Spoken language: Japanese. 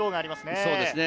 そうですね。